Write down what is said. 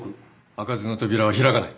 開かずの扉は開かない。